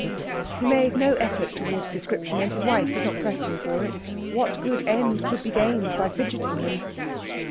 He made no effort towards description, and his wife did not press him for it. What good end could be gained by fidgeting him?